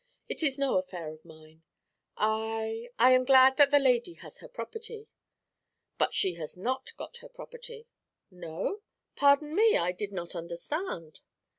'It is no affair of mine. I I am glad that the lady has her property.' 'But she has not got her property.' 'No? Pardon me, I did not understand.'